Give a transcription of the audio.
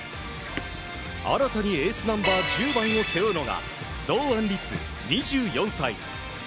新たにエースナンバー１０番を背負うのが堂安律、２４歳。